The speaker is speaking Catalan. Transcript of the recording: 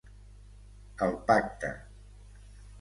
El Pacte.